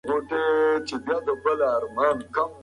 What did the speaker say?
هغه سړی چې په موټر کې و خپل ساعت ته وکتل.